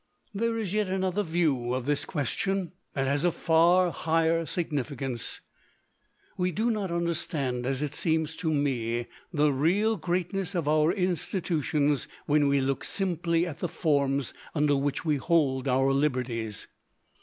There is yet another view of this question, that has a far higher significance. We do not understand, as it seems to me, the real greatness of our institutions when we look simply at the forms under which we hold our liberties.